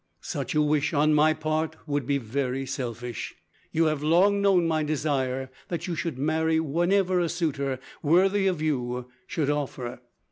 "Such a wish on my part would be very selfish. You have long known my desire that you should marry whenever a suitor worthy of you should offer.